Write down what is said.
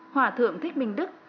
hỏa thượng thích minh đức